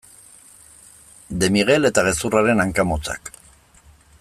De Miguel eta gezurraren hanka motzak.